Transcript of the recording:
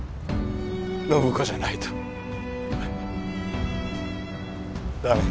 暢子じゃないと駄目。